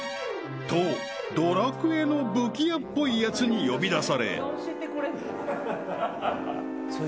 ［とドラクエの武器屋っぽいやつに呼び出され］